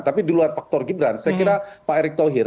tapi di luar faktor gibran saya kira pak erick thohir